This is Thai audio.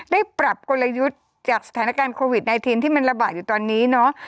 ได้ปรับกลยุทธ์จากสถานการณ์โควิด๑๙ที่มันระบาดอยู่ตอนนี้เนาะ